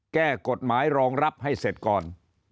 แก้กฎหมายรองรับให้เสร็จก่อน